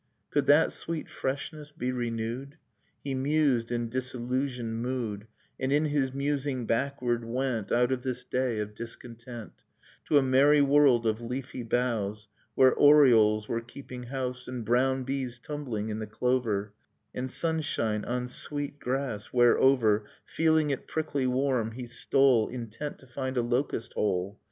Could that sweet freshness be renewed? He mused in disillusioned mood, And in his musing backward went Out of this day of discontent Dust in Starlight To a merry world of leafy boughs, Where orioles were keeping house, And brown bees tumbling in the clover, And sunshine on sweet grass, whereover, Feeling it prickly warm, he stole Intent to find a locust hole